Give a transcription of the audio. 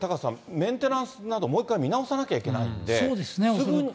メンテナンスなど、もう一回見直さなきゃいけないんで。